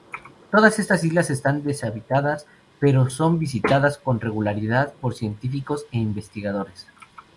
Todas estas islas están deshabitadas, pero son visitadas con regularidad por científicos e investigadores.